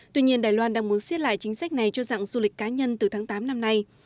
tuy nhiên đài loan đang muốn xiết lại chính sách này cho dạng du lịch cá nhân từ tháng tám năm nay